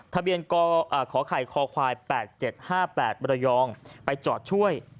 ทะเบียนขอไข่คควาย๘๗๕๘มรยองไปจอดช่วย